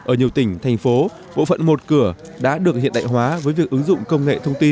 ở nhiều tỉnh thành phố bộ phận một cửa đã được hiện đại hóa với việc ứng dụng công nghệ thông tin